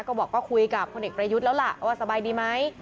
ก็บอกว่าคุยกับพลเอกประยุทธ์แล้วล่ะว่าสบายดีไหม